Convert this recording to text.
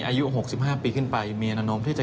อายุหกสิบห้าปีขึ้นไปมีอนุมที่จะ